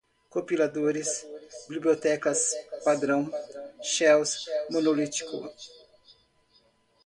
compiladores, bibliotecas-padrão, shells, monolítico